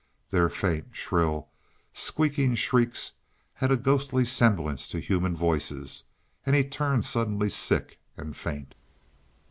Their faint, shrill, squeaking shrieks had a ghostly semblance to human voices, and he turned suddenly sick and faint.